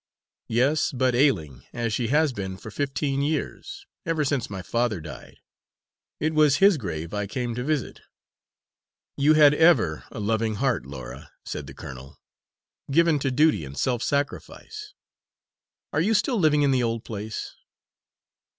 "Yes, but ailing, as she has been for fifteen years ever since my father died. It was his grave I came to visit." "You had ever a loving heart, Laura," said the colonel, "given to duty and self sacrifice. Are you still living in the old place?"